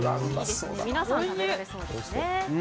皆さん食べられそうですね。